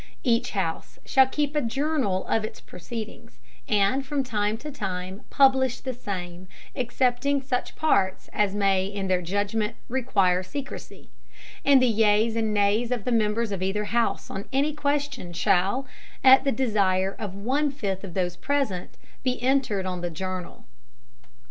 Each House shall keep a Journal of its Proceedings, and from time to time publish the same, excepting such Parts as may in their Judgment require Secrecy; and the Yeas and Nays of the Members of either House on any question shall, at the Desire of one fifth of those Present, be entered on the Journal.